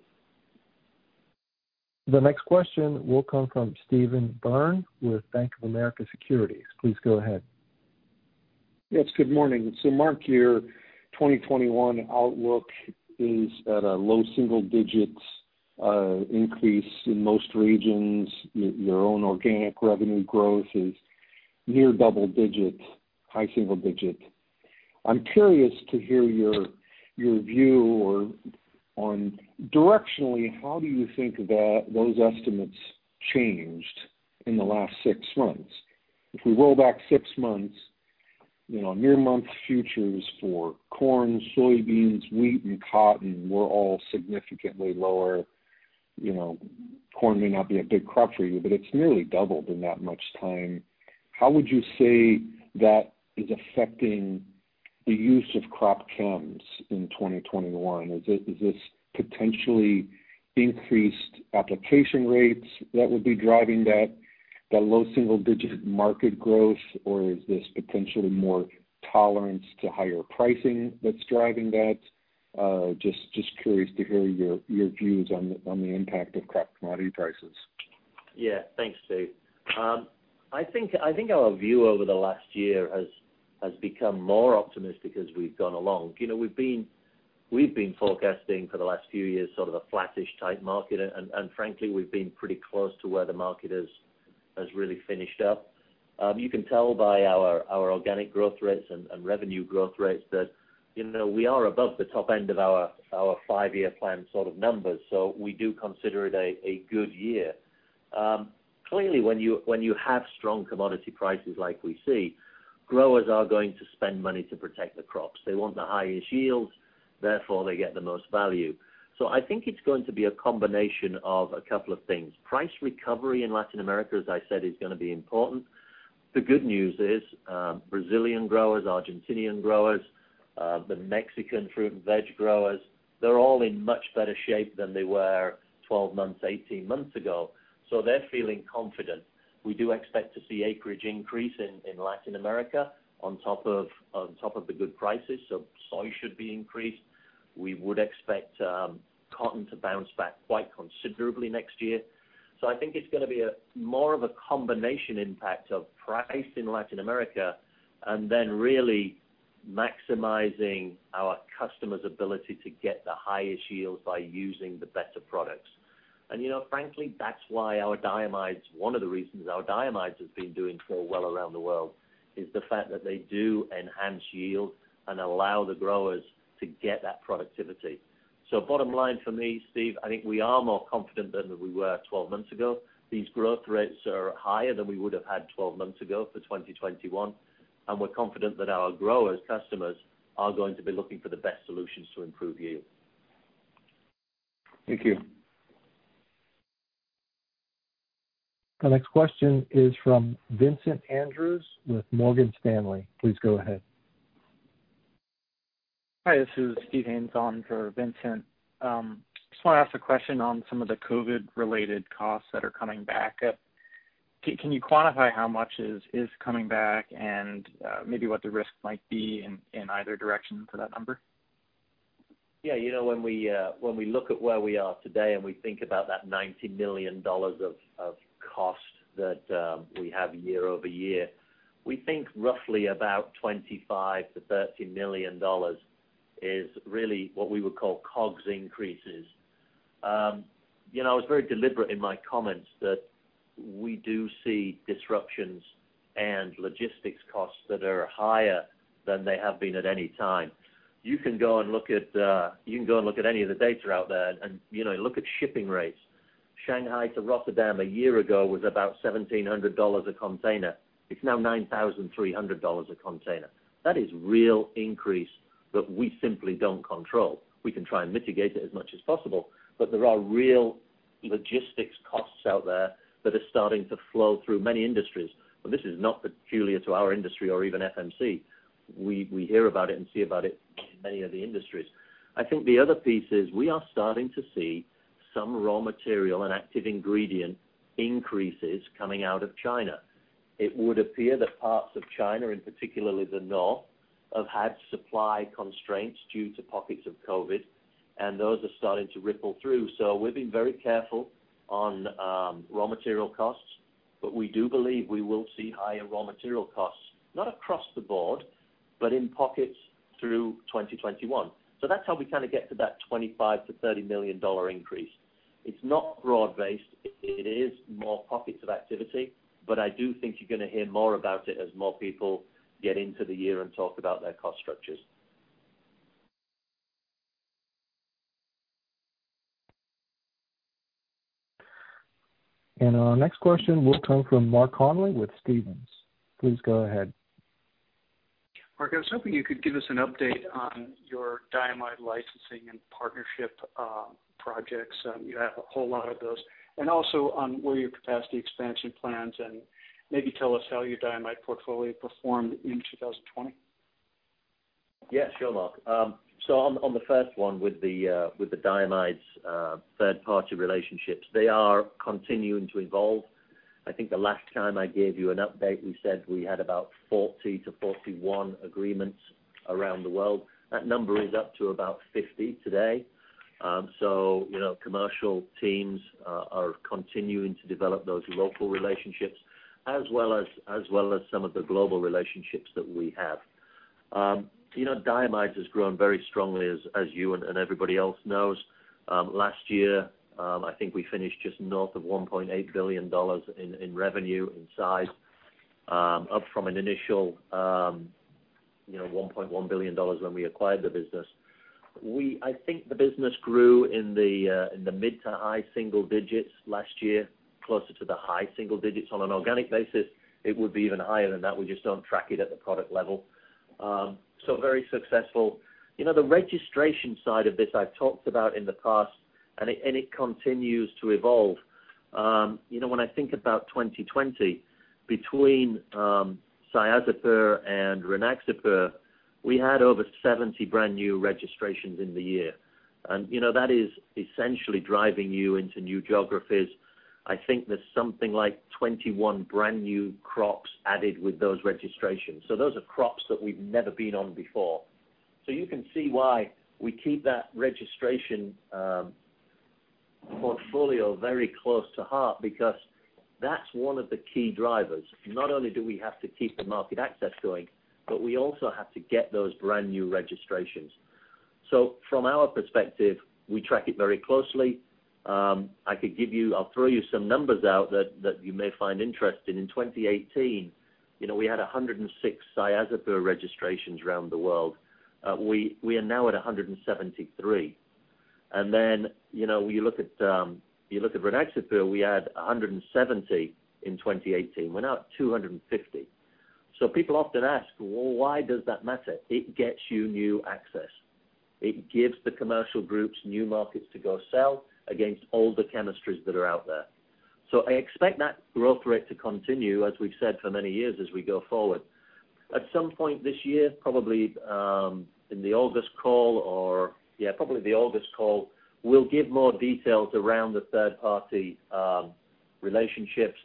The next question will come from Stephen Byrne with Bank of America Securities. Please go ahead. Yes, good morning. Mark, your 2021 outlook is at a low single digits increase in most regions. Your own organic revenue growth is near double digits, high single digits. I'm curious to hear your view on directionally, how do you think those estimates changed in the last six months? If we roll back six months, near month futures for corn, soybeans, wheat, and cotton were all significantly lower. Corn may not be a big crop for you, but it's nearly doubled in that much time. How would you say that is affecting the use of crop chems in 2021? Is this potentially increased application rates that would be driving that low single digit market growth, or is this potentially more tolerance to higher pricing that's driving that? Just curious to hear your views on the impact of crop commodity prices. Thanks, Steve. I think our view over the last year has become more optimistic as we've gone along. We've been forecasting for the last few years sort of a flattish type market, and frankly, we've been pretty close to where the market has really finished up. You can tell by our organic growth rates and revenue growth rates that we are above the top end of our five-year plan sort of numbers. We do consider it a good year. Clearly, when you have strong commodity prices like we see, growers are going to spend money to protect the crops. They want the highest yields, therefore they get the most value. I think it's going to be a combination of a couple of things. Price recovery in Latin America, as I said, is going to be important. The good news is Brazilian growers, Argentinian growers, the Mexican fruit and veg growers, they're all in much better shape than they were 12 months, 18 months ago. They're feeling confident. We do expect to see acreage increase in Latin America on top of the good prices, so soy should be increased. We would expect cotton to bounce back quite considerably next year. I think it's going to be more of a combination impact of price in Latin America and then really maximizing our customers' ability to get the highest yields by using the better products. Frankly, one of the reasons our diamides has been doing so well around the world is the fact that they do enhance yield and allow the growers to get that productivity. Bottom line for me, Steve, I think we are more confident than we were 12 months ago. These growth rates are higher than we would have had 12 months ago for 2021. We're confident that our growers, customers, are going to be looking for the best solutions to improve yield. Thank you. The next question is from Vincent Andrews with Morgan Stanley. Please go ahead. Hi, this is Steve on for Vincent. Just want to ask a question on some of the COVID-related costs that are coming back. Can you quantify how much is coming back and maybe what the risk might be in either direction for that number? When we look at where we are today and we think about that $90 million of cost that we have year-over-year, we think roughly about $25 million-$30 million is really what we would call COGS increases. I was very deliberate in my comments that we do see disruptions and logistics costs that are higher than they have been at any time. You can go and look at any of the data out there and look at shipping rates. Shanghai to Rotterdam a year ago was about $1,700 a container. It's now $9,300 a container. That is real increase that we simply don't control. We can try and mitigate it as much as possible, but there are real logistics costs out there that are starting to flow through many industries. This is not peculiar to our industry or even FMC. We hear about it and see about it in many of the industries. The other piece is we are starting to see some raw material and active ingredient increases coming out of China. Parts of China, and particularly the North, have had supply constraints due to pockets of COVID-19, and those are starting to ripple through. We're being very careful on raw material costs, we do believe we will see higher raw material costs, not across the board, in pockets through 2021. That's how we kind of get to that $25 million-$30 million increase. It's not broad-based. It is more pockets of activity, I do think you're going to hear more about it as more people get into the year and talk about their cost structures. Our next question will come from Mark Connelly with Stephens. Please go ahead. Mark, I was hoping you could give us an update on your diamide licensing and partnership projects. You have a whole lot of those. Also on where your capacity expansion plans and maybe tell us how your diamide portfolio performed in 2020. Sure, Mark. On the first one with the diamide third-party relationships, they are continuing to evolve. I think the last time I gave you an update, we said we had about 40-41 agreements around the world. That number is up to about 50 agreements today. Commercial teams are continuing to develop those local relationships, as well as some of the global relationships that we have. Diamide has grown very strongly as you and everybody else knows. Last year, I think we finished just north of $1.8 billion in revenue and size, up from an initial $1.1 billion when we acquired the business. I think the business grew in the mid to high single digits last year, closer to the high single digits. On an organic basis, it would be even higher than that. We just don't track it at the product level. Very successful. The registration side of this I've talked about in the past, and it continues to evolve. When I think about 2020, between Cyazypyr and Rynaxypyr, we had over 70 brand-new registrations in the year, and that is essentially driving you into new geographies. I think there's something like 21 brand-new crops added with those registrations. Those are crops that we've never been on before. You can see why we keep that registration portfolio very close to heart, because that's one of the key drivers. Not only do we have to keep the market access going, but we also have to get those brand-new registrations. From our perspective, we track it very closely. I'll throw you some numbers out that you may find interesting. In 2018, we had 106 Cyazypyr registrations around the world. We are now at 173 registrations. When you look at Rynaxypyr, we had 170 in 2018. We're now at 250. People often ask, "Well, why does that matter?" It gets you new access. It gives the commercial groups new markets to go sell against all the chemistries that are out there. I expect that growth rate to continue, as we've said, for many years as we go forward. At some point this year, probably in the August call, we'll give more details around the third-party relationships,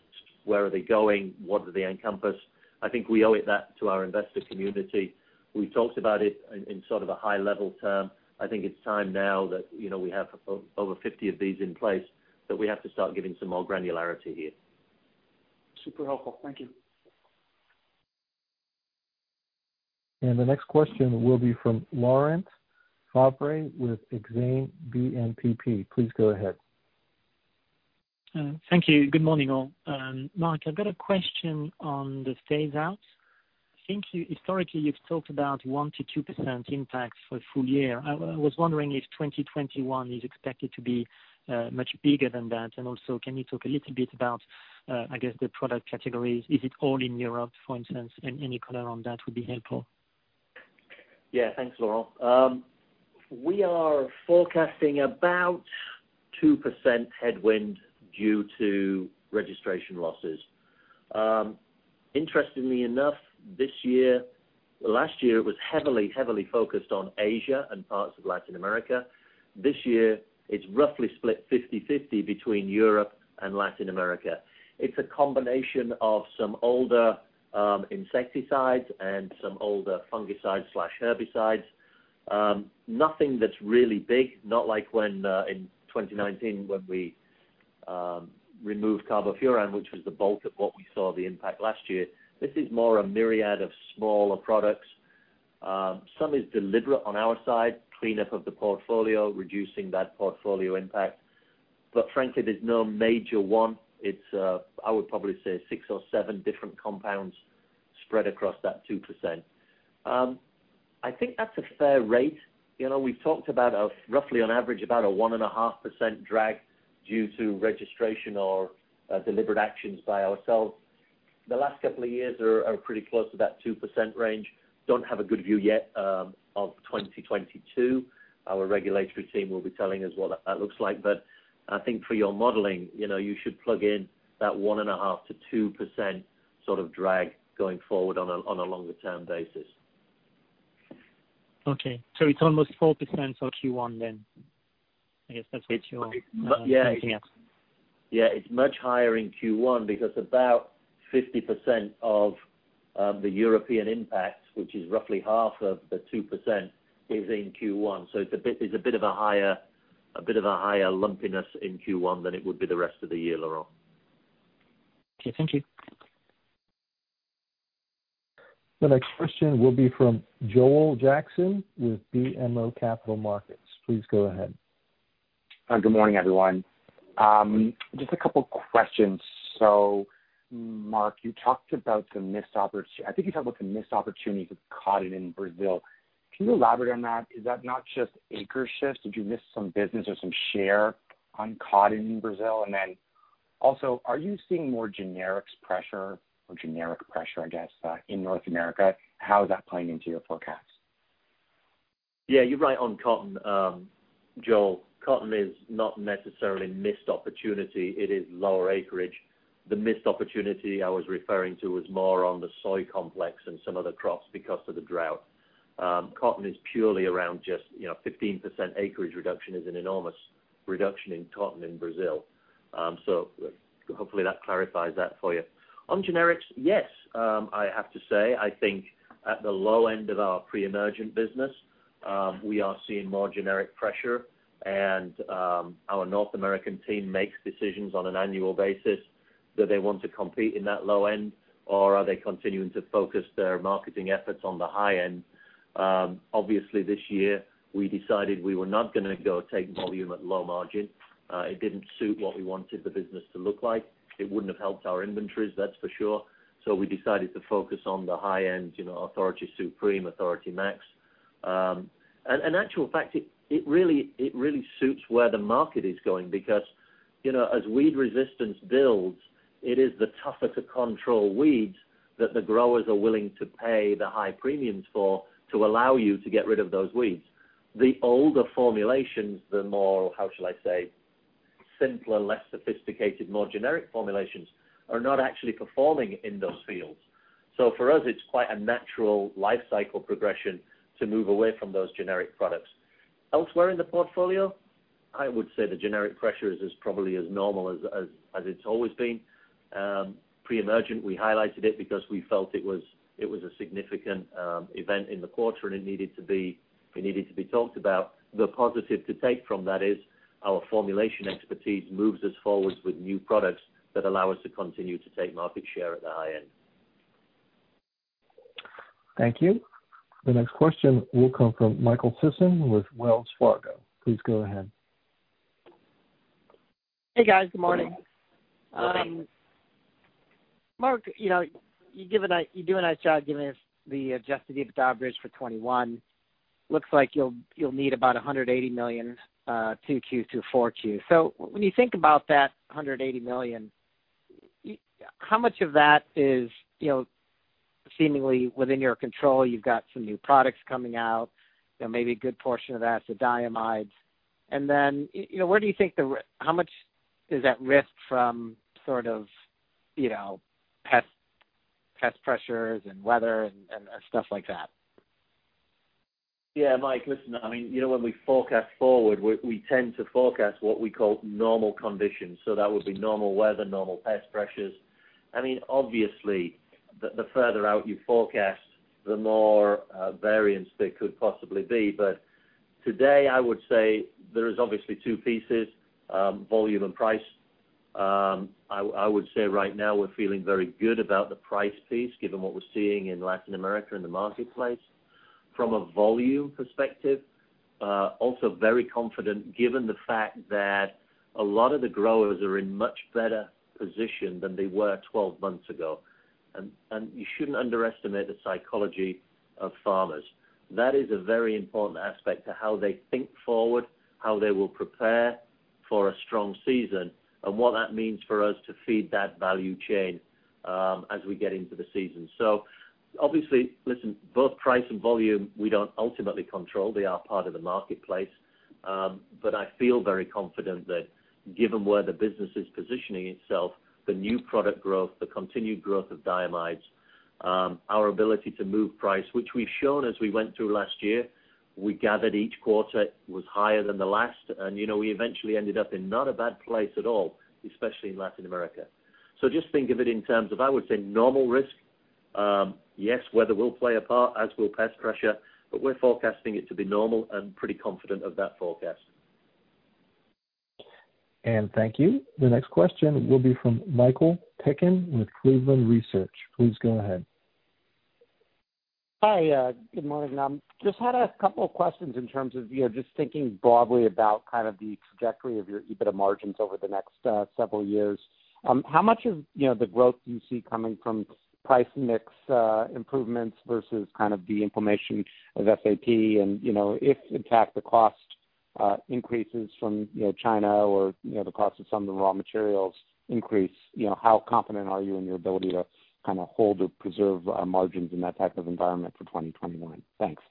where are they going, what do they encompass. I think we owe it that to our investor community. We talked about it in sort of a high level term. I think it's time now that we have over 50 of these in place, that we have to start giving some more granularity here. Super helpful. Thank you. The next question will be from Laurent Favre with Exane BNPP. Please go ahead. Thank you. Good morning, all. Mark, I've got a question on the phase outs. I think historically you've talked about 1%-2% impact for a full year. I was wondering if 2021 is expected to be much bigger than that, and also, can you talk a little bit about, I guess, the product categories? Is it all in Europe, for instance? Any color on that would be helpful. Thanks, Laurent. We are forecasting about 2% headwind due to registration losses. Interestingly enough, last year was heavily focused on Asia and parts of Latin America. This year, it's roughly split 50/50 between Europe and Latin America. It's a combination of some older insecticides and some older fungicides/herbicides. Nothing that's really big, not like in 2019, when we removed carbofuran, which was the bulk of what we saw the impact last year. This is more a myriad of smaller products. Some is deliberate on our side, cleanup of the portfolio, reducing that portfolio impact. Frankly, there's no major one. It's, I would probably say six or seven different compounds spread across that 2%. I think that's a fair rate. We've talked about, roughly on average, about a 1.5% drag due to registration or deliberate actions by ourselves. The last couple of years are pretty close to that 2% range. Don't have a good view yet of 2022. Our regulatory team will be telling us what that looks like. I think for your modeling, you should plug in that 1.5%-2% sort of drag going forward on a longer-term basis. Okay. It's almost 4% for Q1 then. I guess that's what you're pointing at. Yeah, it's much higher in Q1 because about 50% of the European impact, which is roughly half of the 2%, is in Q1. It's a bit of a higher lumpiness in Q1 than it would be the rest of the year, Laurent. Okay. Thank you. The next question will be from Joel Jackson with BMO Capital Markets. Please go ahead. Good morning, everyone. Just a couple questions. Mark, I think you talked about the missed opportunity with cotton in Brazil. Can you elaborate on that? Is that not just acre shifts? Did you miss some business or some share on cotton in Brazil? Also, are you seeing more generics pressure or generic pressure, I guess, in North America? How is that playing into your forecast? Yeah, you're right on cotton, Joel. Cotton is not necessarily missed opportunity. It is lower acreage. The missed opportunity I was referring to was more on the soy complex and some other crops because of the drought. Cotton is purely around just 15% acreage reduction is an enormous reduction in cotton in Brazil. Hopefully that clarifies that for you. On generics, yes. I have to say, I think at the low end of our pre-emergent business, we are seeing more generic pressure and our North American team makes decisions on an annual basis, that they want to compete in that low end, or are they continuing to focus their marketing efforts on the high end? Obviously, this year we decided we were not going to go take volume at low margin. It didn't suit what we wanted the business to look like. It wouldn't have helped our inventories, that's for sure. We decided to focus on the high end, Authority Supreme, Anthem MAXX. In actual fact, it really suits where the market is going because as weed resistance builds, it is the tougher to control weeds that the growers are willing to pay the high premiums for to allow you to get rid of those weeds. The older formulations, the more, how shall I say, simpler, less sophisticated, more generic formulations are not actually performing in those fields. For us, it's quite a natural life cycle progression to move away from those generic products. Elsewhere in the portfolio, I would say the generic pressure is as probably as normal as it's always been. Pre-emergent, we highlighted it because we felt it was a significant event in the quarter, and it needed to be talked about. The positive to take from that is our formulation expertise moves us forwards with new products that allow us to continue to take market share at the high end. Thank you. The next question will come from Michael Sisson with Wells Fargo. Please go ahead. Hey guys. Good morning. Good morning. Mark, you do a nice job giving us the adjusted EBITDA bridge for 2021. Looks like you'll need about $180 million, 2Q-4Q. When you think about that $180 million, how much of that is seemingly within your control? You've got some new products coming out, maybe a good portion of that, the diamides. How much is at risk from pest pressures and weather and stuff like that? Yeah. Mike, listen, when we forecast forward, we tend to forecast what we call normal conditions. That would be normal weather, normal pest pressures. Obviously, the further out you forecast, the more variance there could possibly be. Today, I would say there is obviously two pieces, volume and price. I would say right now we're feeling very good about the price piece, given what we're seeing in Latin America in the marketplace. From a volume perspective, also very confident given the fact that a lot of the growers are in much better position than they were 12 months ago. You shouldn't underestimate the psychology of farmers. That is a very important aspect to how they think forward, how they will prepare for a strong season, and what that means for us to feed that value chain, as we get into the season. Obviously, listen, both price and volume, we don't ultimately control. They are part of the marketplace. I feel very confident that given where the business is positioning itself, the new product growth, the continued growth of diamide, our ability to move price, which we've shown as we went through last year, we gathered each quarter was higher than the last, and we eventually ended up in not a bad place at all, especially in Latin America. Just think of it in terms of, I would say, normal risk. Yes, weather will play a part, as will pest pressure, but we're forecasting it to be normal and pretty confident of that forecast. Thank you. The next question will be from Michael Piken with Cleveland Research. Please go ahead. Hi. Good morning. Just had a couple of questions in terms of just thinking broadly about the trajectory of your EBITDA margins over the next several years. How much of the growth do you see coming from price mix improvements versus the implementation of SAP and, if in fact the cost increases from China or the cost of some of the raw materials increase, how confident are you in your ability to hold or preserve margins in that type of environment for 2021? Thanks.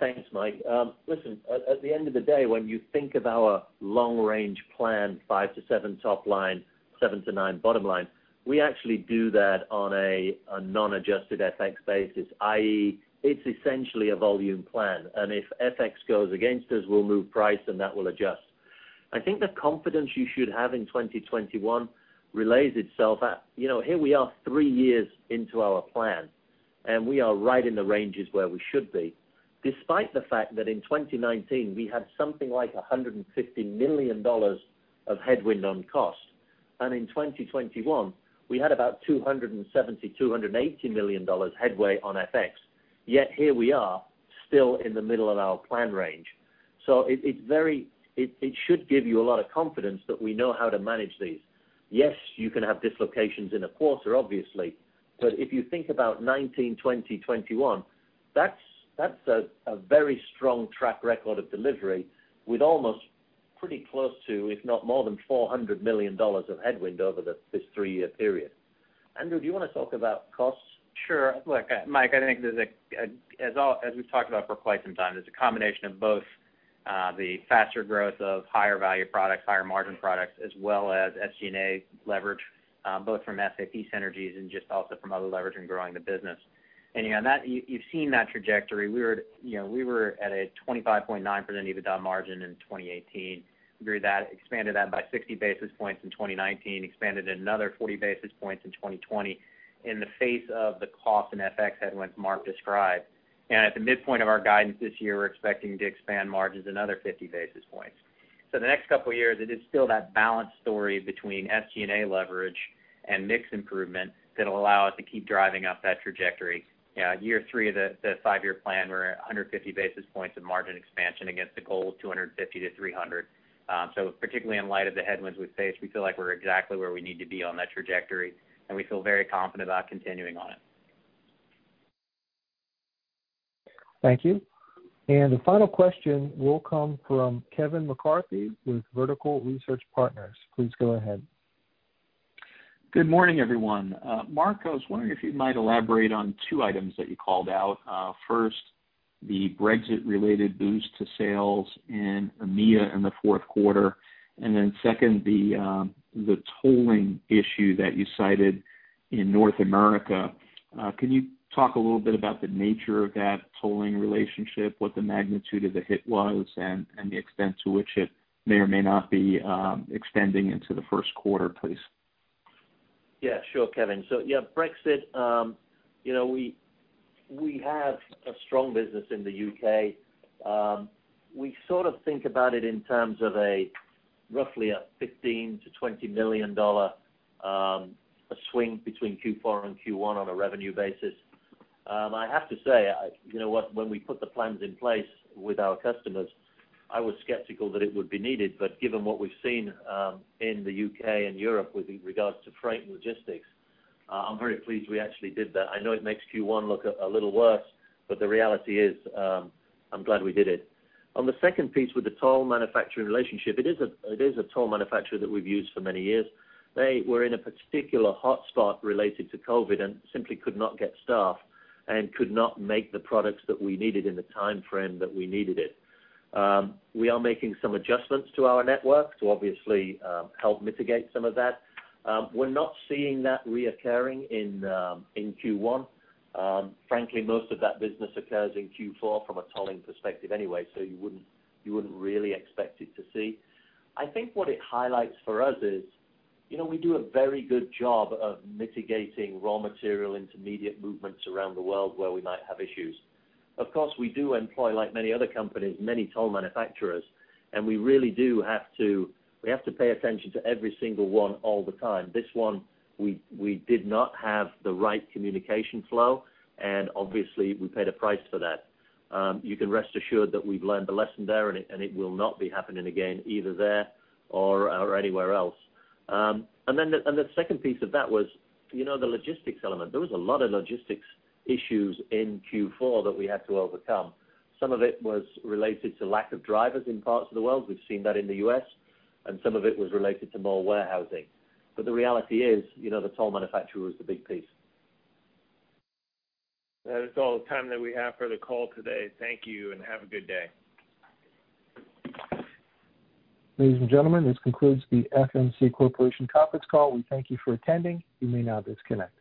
Thanks, Mike. Listen, at the end of the day, when you think of our long range plan, 5%-7% top line, 7%-9% bottom line, we actually do that on a non-adjusted FX basis, i.e., it's essentially a volume plan, if FX goes against us, we'll move price and that will adjust. I think the confidence you should have in 2021 relays itself at, here we are three years into our plan, we are right in the ranges where we should be, despite the fact that in 2019, we had something like $150 million of headwind on cost. In 2021, we had about $270 million-$280 million headway on FX. Here we are, still in the middle of our plan range. It should give you a lot of confidence that we know how to manage these. Yes, you can have dislocations in a quarter, obviously. If you think about 2019, 2020, 2021, that's a very strong track record of delivery with almost pretty close to, if not more than $400 million of headwind over this three-year period. Andrew, do you want to talk about costs? Sure. Look, Mike, I think as we've talked about for quite some time, there's a combination of both the faster growth of higher value products, higher margin products, as well as SG&A leverage, both from SAP synergies and just also from other leverage in growing the business. You've seen that trajectory. We were at a 25.9% EBITDA margin in 2018. Grew that, expanded that by 60 basis points in 2019, expanded it another 40 basis points in 2020 in the face of the cost and FX headwinds Mark described. At the midpoint of our guidance this year, we're expecting to expand margins another 50 basis points. The next couple of years, it is still that balance story between SG&A leverage and mix improvement that'll allow us to keep driving up that trajectory. Year three of the five-year plan, we're at 150 basis points of margin expansion against a goal of 250 basis points-300 basis points. Particularly in light of the headwinds we face, we feel like we're exactly where we need to be on that trajectory, and we feel very confident about continuing on it. Thank you. The final question will come from Kevin McCarthy with Vertical Research Partners. Please go ahead. Good morning, everyone. Mark, I was wondering if you might elaborate on two items that you called out. First, the Brexit related boost to sales in EMEA in the fourth quarter, and then second, the tolling issue that you cited in North America. Can you talk a little bit about the nature of that tolling relationship, what the magnitude of the hit was, and the extent to which it may or may not be extending into the first quarter, please? Yeah, sure, Kevin. Brexit, we have a strong business in the U.K. We sort of think about it in terms of roughly a $15 million-$20 million swing between Q4 and Q1 on a revenue basis. I have to say, you know what, when we put the plans in place with our customers, I was skeptical that it would be needed. Given what we've seen in the U.K. and Europe with regards to freight and logistics, I'm very pleased we actually did that. I know it makes Q1 look a little worse, the reality is, I'm glad we did it. On the second piece with the toll manufacturing relationship, it is a toll manufacturer that we've used for many years. They were in a particular hot spot related to COVID and simply could not get staff and could not make the products that we needed in the time frame that we needed it. We are making some adjustments to our network to obviously help mitigate some of that. We're not seeing that reoccurring in Q1. Frankly, most of that business occurs in Q4 from a tolling perspective anyway, so you wouldn't really expect it to see. I think what it highlights for us is, we do a very good job of mitigating raw material, intermediate movements around the world where we might have issues. Of course, we do employ, like many other companies, many toll manufacturers, and we have to pay attention to every single one all the time. This one, we did not have the right communication flow, and obviously, we paid a price for that. You can rest assured that we've learned the lesson there, it will not be happening again either there or anywhere else. The second piece of that was the logistics element. There was a lot of logistics issues in Q4 that we had to overcome. Some of it was related to lack of drivers in parts of the world. We've seen that in the U.S., and some of it was related to more warehousing. The reality is, the toll manufacturer was the big piece. That is all the time that we have for the call today. Thank you and have a good day. Ladies and gentlemen, this concludes the FMC Corporation conference call. We thank you for attending. You may now disconnect.